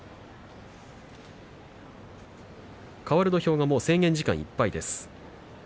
かわる土俵は制限時間いっぱいです。